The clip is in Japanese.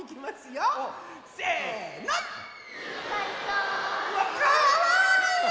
うわっかわいい！